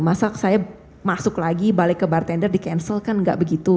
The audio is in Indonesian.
masa saya masuk lagi balik ke bartender di cancel kan nggak begitu